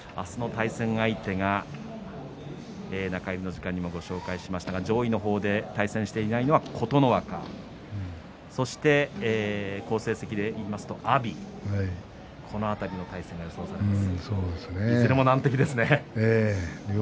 対戦相手は中入りの時間にもご紹介しましたが上位の方で対戦していないのは琴ノ若、そして好成績でいいますと阿炎この辺りの対戦が予想されます。